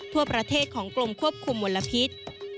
ทั่วประเทศของกรมควบคุมมลพิษ